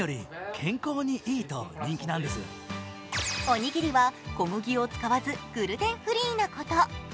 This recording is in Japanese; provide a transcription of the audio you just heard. おにぎりは小麦を使わずグルテンフリーなこと。